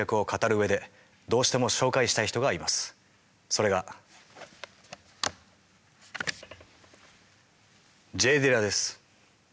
それがＪ・ディラです。